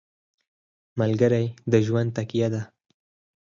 ملګری د ژوند تکیه ده.